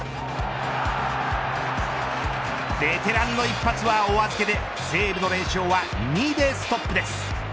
ベテランの一発はお預けで西武の連勝は２でストップです。